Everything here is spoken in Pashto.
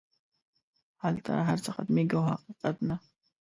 هلته هر څه ختمېږي خو حقیقت نه.